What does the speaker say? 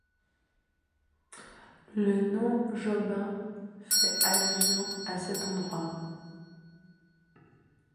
Le nom Jobim fait allusion à cet endroit.